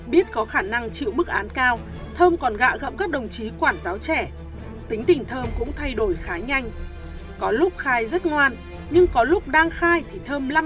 biết có khả năng chịu mức án cao thơm còn gạ gậm các đồng chí quản giáo trẻ tính tình thơm cũng thay đổi khá nhanh có lúc khai rất ngoan nhưng có lúc đang khai thì thơm lặn